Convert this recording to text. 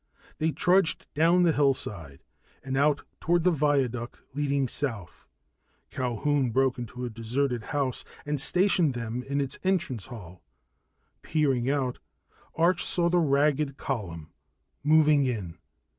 They trudged down the hillside and out toward the viaduct leading south. Culquhoun broke into a deserted house and stationed them in its entrance hall. Peering out, Arch saw the ragged column moving in.